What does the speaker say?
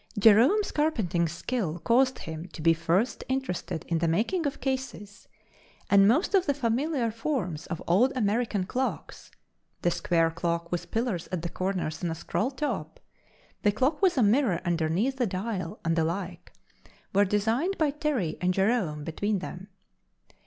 Jerome's carpentering skill caused him to be first interested in the making of cases, and most of the familiar forms of old American clocks—the square clock with pillars at the corners and a scroll top, the clock with a mirror underneath the dial and the like, were designed by Terry and Jerome between them.